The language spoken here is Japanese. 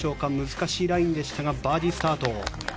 難しいラインでしたがバーディースタート。